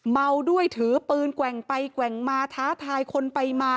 เมาด้วยถือปืนแกว่งไปแกว่งมาท้าทายคนไปมา